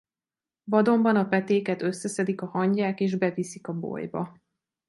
Vadonban a petéket összeszedik a hangyák és beviszik a bolyba.